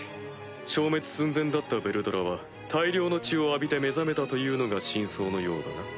消滅寸前だったヴェルドラは大量の血を浴びて目覚めたというのが真相のようだな。